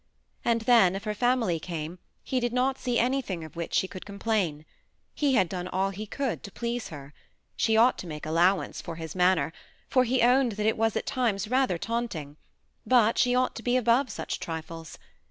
And then if her family came, he did not see anything of which she could complain ; he had done all he could to please her; she ought to make, allowance for his manner, for he owned that it was at times rather taunting ; but she ought to be above such trifles.